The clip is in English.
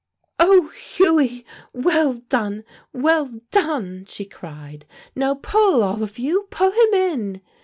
"Oh, Hughie, well done, well done!" she cried. "Now pull, all of you, pull him in!"